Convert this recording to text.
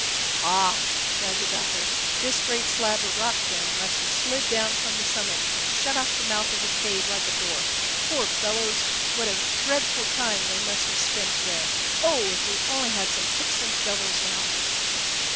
"Ah," cried the Doctor, "this great slab of rock then must have slid down from the summit and shut off the mouth of the cave like a door. Poor fellows! What a dreadful time they must have spent in there!—Oh, if we only had some picks and shovels now!"